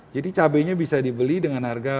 jadi cabainya bisa dibeli dengan harga